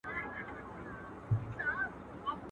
رسنۍ د عامه افکارو ځواک دی